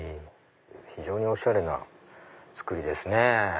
非常におしゃれな作りですね。